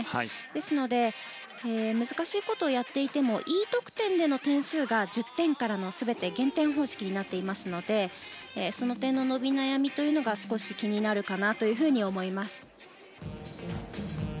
ですので難しいことをやっていてもＥ得点での点数が１０点からの全て減点方式になっていますのでその点の伸び悩みというのが少し気になるかなと思います。